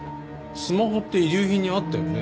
スマホって遺留品にあったよね？